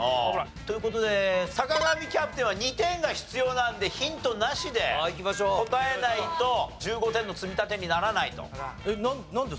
という事で坂上キャプテンは２点が必要なんでヒントなしで答えないと１５点の積み立てにならないと。